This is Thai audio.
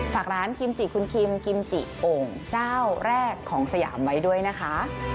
ฝากร้านกิมจิคุณคิมกิมจิโอ่งเจ้าแรกของสยามไว้ด้วยนะคะ